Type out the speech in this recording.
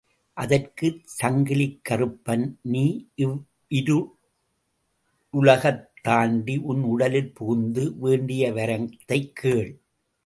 அதற்குச் சங்கிலிக்கறுப்பன் நீ இவ்விருளுலகந் தாண்டி உன் உடலிற் புகுந்து வேண்டிய வரத்தைக் கேள்.